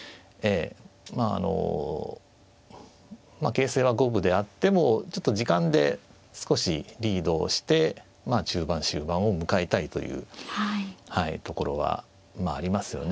まああの形勢は五分であってもちょっと時間で少しリードをして中盤終盤を迎えたいというところはまあありますよね。